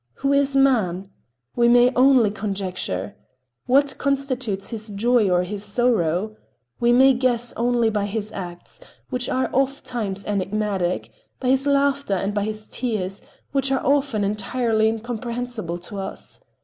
Who is man? We may only conjecture. What constitutes his joy or his sorrow? We may guess only by his acts, which are oft times enigmatic; by his laughter and by his tears, which are often entirely incomprehensible to us.